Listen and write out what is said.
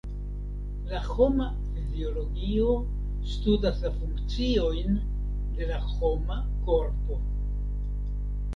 La homa fiziologio studas la funkciojn de la homa korpo.